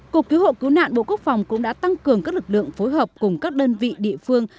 cục cứu hộ cứu nạn bộ quốc phòng cũng đã tăng cường các lực lượng phối hợp cùng các đơn vị địa phương